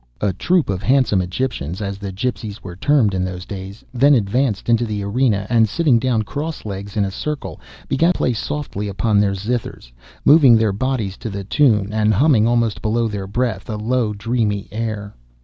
A troop of handsome Egyptians—as the gipsies were termed in those days—then advanced into the arena, and sitting down cross legs, in a circle, began to play softly upon their zithers, moving their bodies to the tune, and humming, almost below their breath, a low dreamy air.